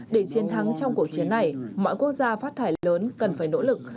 để chiến thắng trong cuộc chiến này mọi quốc gia phát thải lớn cần phải nỗ lực